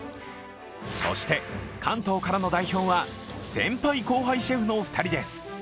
そして、関東からの代表は先輩・後輩シェフの２人です。